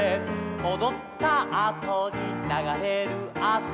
「おどったあとにながれるあせ」